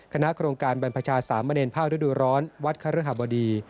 คณะโครงการบรรพชาสามเณรภาคฤดูร้อนวัดคฤหบดี